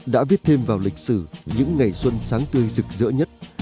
đã viết thêm vào lịch sử những ngày xuân sáng tươi rực rỡ nhất